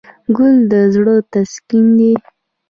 ګل د زړه تسکین دی.